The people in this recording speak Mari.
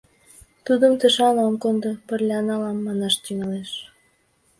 — Тудым тышан ом кодо, пырля налам, — манаш тӱҥалеш.